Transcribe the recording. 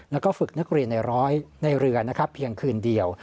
แล้วก็ฝึกนักเรียนในร้อยในเรือนะครับเพียงคืนเดียว